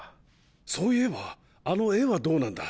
そういえばあの絵はどうなんだ？